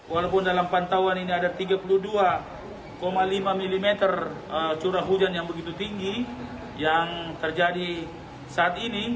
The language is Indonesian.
walaupun dalam pantauan ini ada tiga puluh dua lima mm curah hujan yang begitu tinggi yang terjadi saat ini